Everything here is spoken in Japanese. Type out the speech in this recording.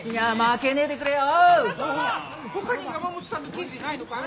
ほかに山本さんの記事ないのかい？